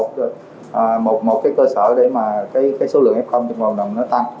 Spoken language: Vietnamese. thì cái này cũng là một cái cơ sở để mà cái số lượng f trong ngọn đồng nó tăng